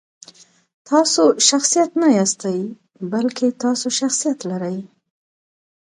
تاسو شخصیت نه یاستئ، بلکې تاسو شخصیت لرئ.